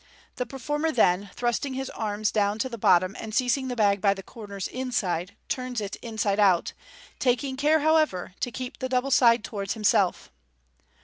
The performer then, thrusting his arms down to the bottom, and seizing the bag by the corners inside, turns it inside out, taking care, however, to keep the double side towards himself.